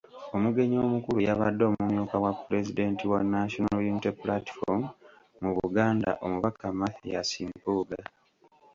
Omugenyi omukulu yabadde omumyuka wa Pulezidenti wa National Unity Platform mu Buganda, Omubaka Mathias Mpuuga.